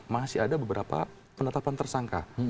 masih ada beberapa penetapan tersangka